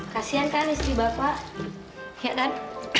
kasian kan istri bapak ya kan